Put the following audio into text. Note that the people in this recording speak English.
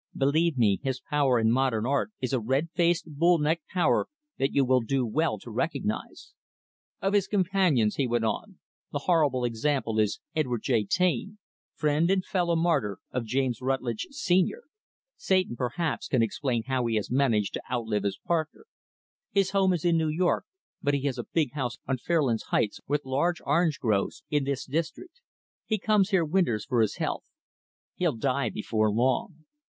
Believe me, his power in modern art is a red faced, bull necked power that you will do well to recognize. Of his companions," he went on, "the horrible example is Edward J. Taine friend and fellow martyr of James Rutlidge, Senior. Satan, perhaps, can explain how he has managed to outlive his partner. His home is in New York, but he has a big house on Fairlands Heights, with large orange groves in this district. He comes here winters for his health. He'll die before long.